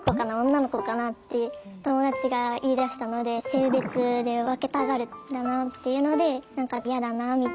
女の子かな？」って友達が言いだしたので性別で分けたがるんだなっていうので何かやだなみたいなところはあります。